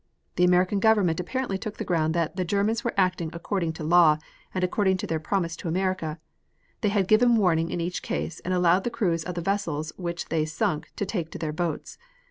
The American Government apparently took the ground that the Germans were acting according to law and according to their promise to America. They had given warning in each case and allowed the crews of the vessels which they sunk to take to their boats.